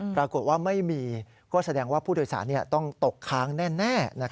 ปรากฏว่าไม่มีก็แสดงว่าผู้โดยสารต้องตกค้างแน่